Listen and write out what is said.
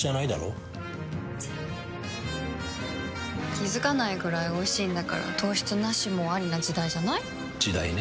気付かないくらいおいしいんだから糖質ナシもアリな時代じゃない？時代ね。